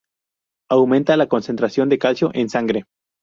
Aumenta la concentración de calcio en sangre.